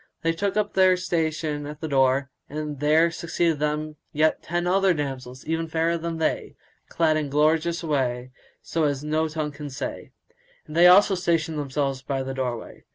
They took up their station at the door, and there succeeded them yet other ten damsels even fairer than they, clad in gorgeous array, such as no tongue can say; and they also stationed themselves by the doorway.